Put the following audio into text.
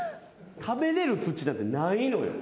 食べれる土なんてないのよ。